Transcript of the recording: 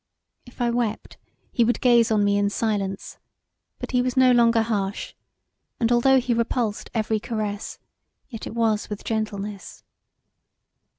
If I wept he would gaze on me in silence but he was no longer harsh and although he repulsed every caress yet it was with gentleness.